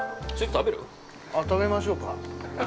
◆食べましょうか。